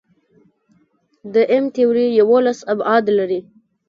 د M-تیوري یوولس ابعاد لري.